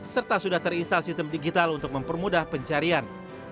serta sudah terinstal sistem digital untuk mempermudah pencarian